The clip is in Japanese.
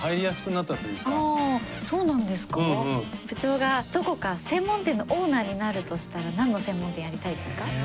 部長がどこか専門店のオーナーになるとしたら何の専門店やりたいですか？